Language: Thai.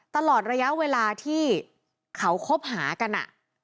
ตลอดระยะเวลาที่เขาคบหากัน